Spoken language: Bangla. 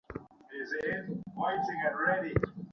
তিনি মাত্র তেতাল্লিশ উইকেট পান।